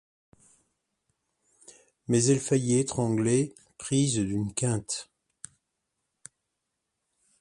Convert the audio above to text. Mais elle faillit étrangler, prise d'une quinte.